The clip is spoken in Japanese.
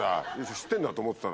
知ってんだと思ってたら。